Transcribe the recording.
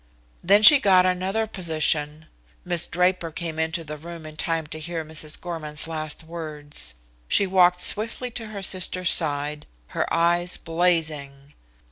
"Then she got another position " Miss Draper came into the room in time to hear Mrs. Gorman's last words. She walked swiftly to her sister's side, her eyes blazing.